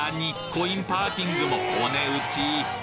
コインパーキングもお値打ち？